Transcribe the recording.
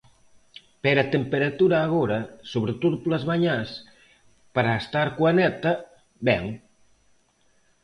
Pero a temperatura agora, sobre todo polas mañás, para estar coa neta, ben.